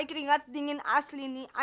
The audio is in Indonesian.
keringat dingin asli nih